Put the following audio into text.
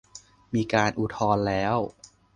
มีการอุทธรณ์แล้ว